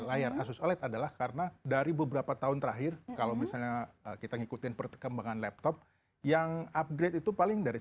layar asus oled adalah karena dari beberapa tahun terakhir kalau misalnya kita ngikutin perkembangan laptop yang upgrade itu paling dari